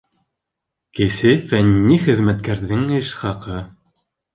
Кесе фәнни хеҙмәткәрҙең эш хаҡы..